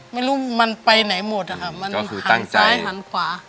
ไม่รู้มันไปไหนหมดอะค่ะมันหันซ้ายหันขวา